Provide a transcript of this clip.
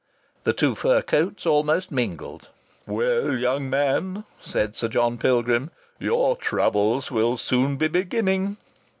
The two fur coats almost mingled. "Well, young man," said Sir John Pilgrim, "your troubles will soon be beginning."